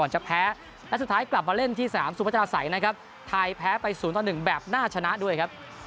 จะแพ้และสุดท้ายกลับมาเล่นที่สนามสุพัชราศัยนะครับไทยแพ้ไป๐ต่อ๑แบบน่าชนะด้วยครับ